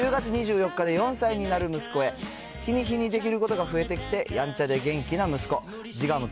１０月２４日で４歳になる息子へ、日に日にできることが増えてきて、やんちゃで元気な息子。